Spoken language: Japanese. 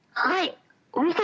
はい。